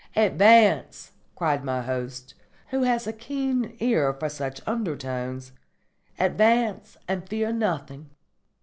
"Advance," cried my host, who had a keen ear for such undertones. "Advance and fear nothing."